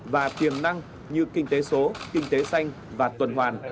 và tiềm năng như kinh tế số kinh tế xanh và tuần hoàn